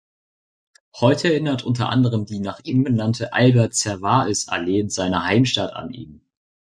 Heute erinnert unter anderem die nach ihm benannte Albert-Servais-Allee in seiner Heimatstadt an ihn.